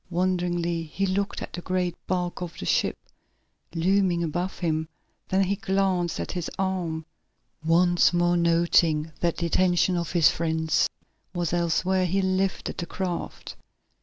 Wonderingly he looked at the great bulk of the ship, looming above him, then he glanced at his arm. Once more, noting that the attention of his friends was elsewhere, he lifted the craft.